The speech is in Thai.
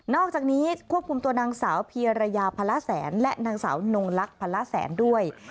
อกจากนี้ควบคุมตัวนางสาวเพียรยาพละแสนและนางสาวนงลักษณพละแสนด้วย